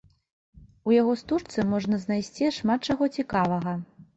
У яго стужцы можна знайсці шмат чаго цікавага.